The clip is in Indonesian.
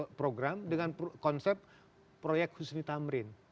ada program dengan konsep proyek husni tamrin